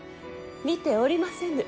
見ておりませぬ。